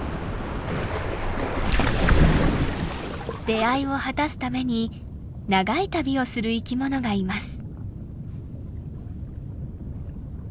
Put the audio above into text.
出会いを果たすために長い旅をする生きものがいます。